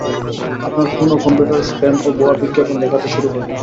আপনার ফোন ও কম্পিউটারে স্প্যাম ও ভুয়া বিজ্ঞাপন দেখাতে শুরু করে।